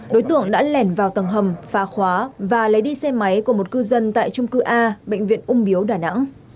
đối tượng đã lẻn vào tầng hầm phá khóa và lấy đi xe máy của một cư dân tại trung cư a bệnh viện ung biếu đà nẵng